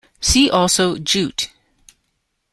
See also Jute.